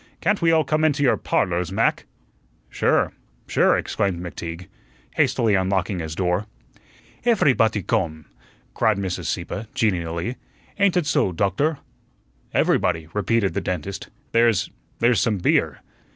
Can't we all come into your 'Parlors', Mac?" "Sure, sure," exclaimed McTeague, hastily unlocking his door. "Efery botty gome," cried Mrs. Sieppe, genially. "Ain't ut so, Doktor?" "Everybody," repeated the dentist. "There's there's some beer."